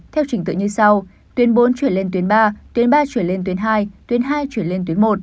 theo trình tự như sau tuyến bốn chuyển lên tuyến ba tuyến ba chuyển lên tuyến hai tuyến hai chuyển lên tuyến một